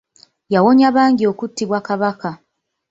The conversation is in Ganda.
Yawonya bangi okuttibwa Kabaka.